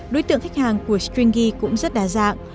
đối tượng khách hàng của stringy cũng rất đa dạng